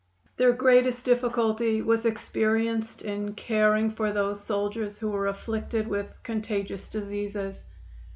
Their greatest difficulty was experienced in caring for those soldiers who were afflicted with contagious diseases.